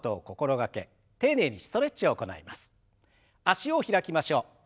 脚を開きましょう。